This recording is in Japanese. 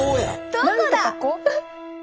どこだ？